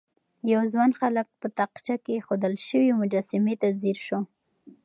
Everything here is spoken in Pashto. يو ځوان هلک په تاقچه کې ايښودل شوې مجسمې ته ځير شو.